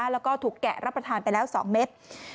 แล้วก็ถูกแกะรับประทานไปแล้ว๒เม็ด